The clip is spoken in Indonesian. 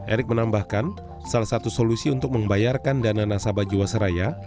erick menambahkan salah satu solusi untuk membayarkan dana nasabah jawa seraya